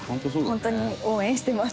ホントに応援してます。